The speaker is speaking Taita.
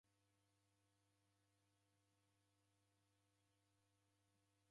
Kukadunga w'uki machi kwainona yose.